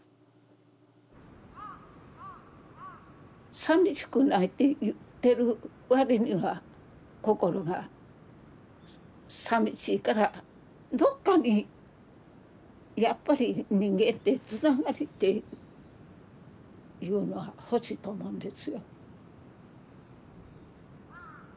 さみしくないって言ってるわりには心がさみしいからどっかにやっぱり人間ってつながりっていうもの欲しいと思うんです。